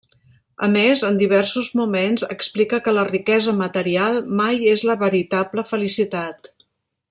A més, en diversos moments explica que la riquesa material mai és la veritable felicitat.